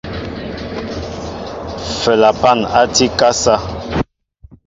Flapan tí a akasá.